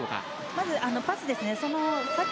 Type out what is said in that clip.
まず、パスですね。